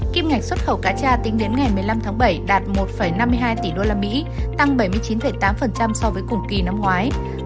kim ngạch xuất khẩu cá tra tính đến ngày một mươi năm tháng bảy đạt một năm mươi hai tỷ usd tăng bảy mươi chín tám so với cùng kỳ năm ngoái